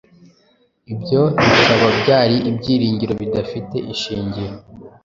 ibyo bikaba byari ibyiringiro bidafite ishingiro.